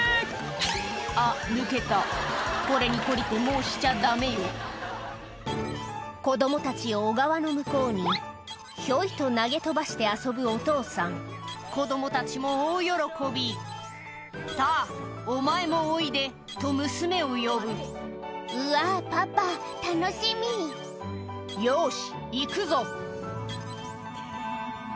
あっ抜けたこれに懲りてもうしちゃダメよ子供たちを小川の向こうにひょいと投げ飛ばして遊ぶお父さん子供たちも大喜び「さぁお前もおいで」と娘を呼ぶ「うわパパ楽しみ」「よし行くぞ」